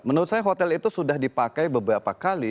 menurut saya hotel itu sudah dipakai beberapa kali